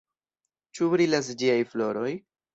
Ĉu brilas ĝiaj floroj?